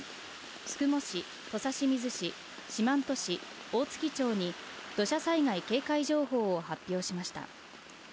宿毛市、土佐清水市、四万十市、大月町に土砂災害警戒情報を発表しました。